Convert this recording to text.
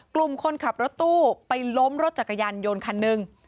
คนขับรถตู้ไปล้มรถจักรยานยนต์คันหนึ่ง